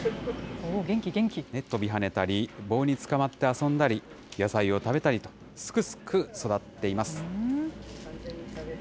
跳びはねたり、棒につかまって遊んだり、野菜を食べたり、すくすく育っています。